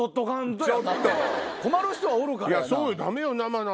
困る人がおるからやな。